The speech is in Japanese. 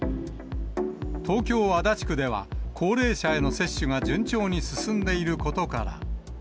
東京・足立区では高齢者への接種が順調に進んでいることから。